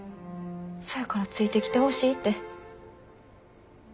そやからついてきてほしいて。